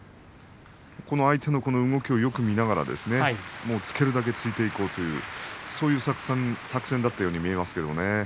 相手の動きをよく見ながらもう突けるだけ突いていこうというそういう作戦だったように見えました。